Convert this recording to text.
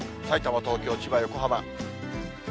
さいたま、東京、千葉、横浜。